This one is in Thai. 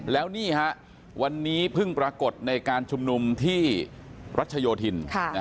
แล้วนี่ฮะวันนี้เพิ่งปรากฏในการชุมนุมที่รัชโยธิน